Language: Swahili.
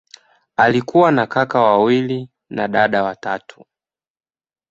Alikuwa na kaka wawili na dada watatu.